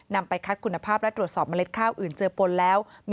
ไปคัดคุณภาพและตรวจสอบเมล็ดข้าวอื่นเจอปนแล้ว